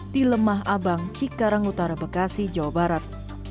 di lemah abang cikarang utara bekasi jawa barat